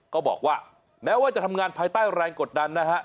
ก็บอกว่าแม้ว่าจะทำงานภายใต้แรงกดดันนะฮะ